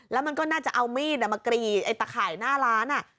แล้วมันก็น่าจะเอามีดมากรีดไอ้ตะข่ายหน้าร้าน